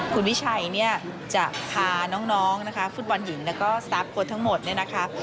คุณวิชัยเนี่ยจะพาน้องนะคะฟุตบอลหญิงแล้วก็สตาร์ฟโค้ดทั้งหมดเนี่ยนะคะ